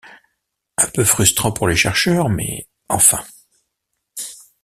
Un peu frustrant pour le chercheur, mais enfin...